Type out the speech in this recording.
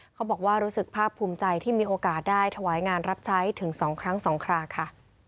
เขาบอกว่ารู้สึกภาพภูมิใจที่มีโอกาสได้ถวายงานรับใช้ถึง๒ครั้ง๒คราค่ะ